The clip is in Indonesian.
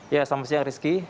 ya selamat siang rizky